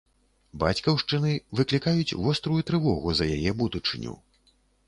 Бацькаўшчыны выклікаюць вострую трывогу за яе будучыню.